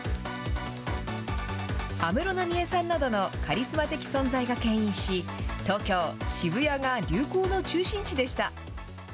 安室奈美恵さんなどのカリスマ的存在がけん引し、東京・渋谷が流行の中心地でした。